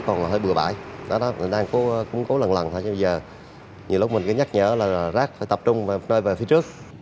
còn hơi bừa bãi đó đó mình đang cố lần lần thôi nhưng bây giờ nhiều lúc mình cứ nhắc nhở là rác phải tập trung nơi về phía trước